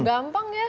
uh gampang ya